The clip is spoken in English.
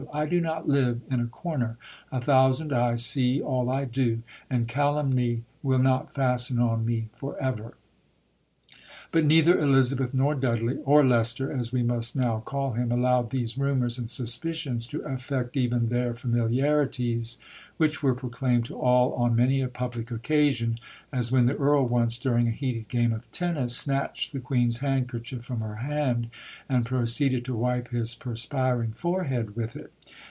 I do not live in a corner; a thousand eyes see all I do, and calumny will not fasten on me for ever." But neither Elizabeth nor Dudley (or Leicester, as we must now call him) allowed these rumours and suspicions to affect even their familiarities, which were proclaimed to all on many a public occasion; as when the Earl once, during a heated game of tennis, snatched the Queen's handkerchief from her hand and proceeded to wipe his perspiring forehead with it.